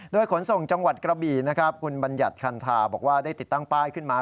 โดยขนส่งจังหวัดกระบี่นะครับคุณบัญญัติคันธาบอกว่าได้ติดตั้งป้ายขึ้นมา